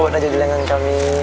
udah jadi lengan kami